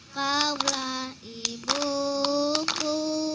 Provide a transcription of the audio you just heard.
kau lah ibuku